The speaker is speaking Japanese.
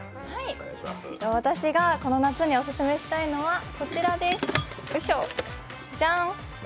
私がこの夏にオススメしたいのはこちらです、じゃん。